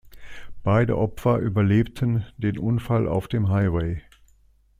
Beide Opfer überlebten den Unfall auf dem Highway.